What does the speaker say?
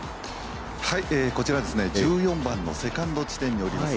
こちらは１４番のセカンド地点におります。